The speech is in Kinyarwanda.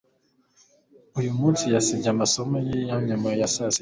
Uyu munsi, yasibye amasomo ye ya nyuma ya saa sita.